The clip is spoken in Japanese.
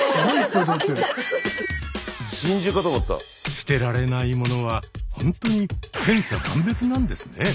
捨てられない物はほんとに千差万別なんですね。